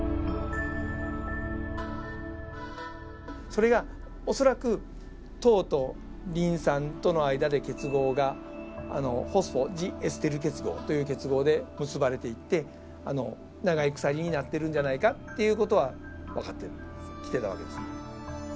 それが恐らく糖とリン酸との間で結合がホスホジエステル結合という結合で結ばれていって長い鎖になってるんじゃないかっていう事は分かってきてた訳です。